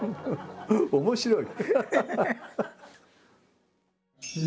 面白い！